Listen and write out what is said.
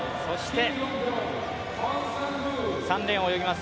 ３レーンを泳ぎます